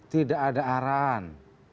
tidak ada arahan